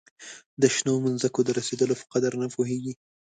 د شنو مځکو د رسېدلو په قدر نه پوهیږي.